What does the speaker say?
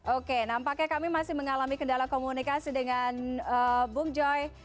oke nampaknya kami masih mengalami kendala komunikasi dengan bung joy